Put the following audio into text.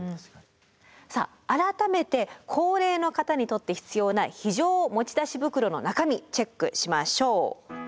さあ改めて高齢の方にとって必要な非常持ち出し袋の中身チェックしましょう。